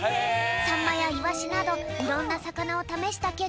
サンマやイワシなどいろんなさかなをためしたけっか